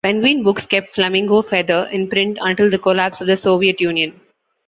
Penguin Books kept "Flamingo Feather" in print until the collapse of the Soviet Union.